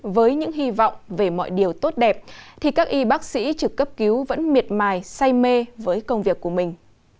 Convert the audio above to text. với những hy vọng về mọi điều tốt đẹp thì các y bác sĩ trực cấp cứu vẫn miệt mài say mê với công việc của mình